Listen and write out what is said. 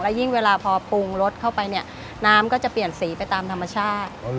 ยิ่งเวลาพอปรุงรสเข้าไปเนี่ยน้ำก็จะเปลี่ยนสีไปตามธรรมชาติ